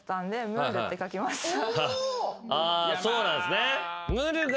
そうなんすね。